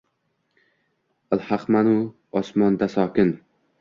Ilhaqman-u, osmon-da sokin.